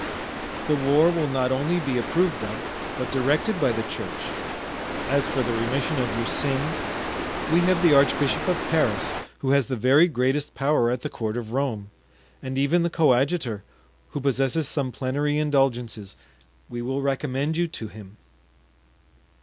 "The war will not only be approved of, but directed by the church. As for the remission of your sins, we have the archbishop of Paris, who has the very greatest power at the court of Rome, and even the coadjutor, who possesses some plenary indulgences; we will recommend you to him."